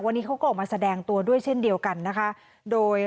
วันนี้เขาก็ออกมาแสดงตัวด้วยเช่นเดียวกันนะคะโดย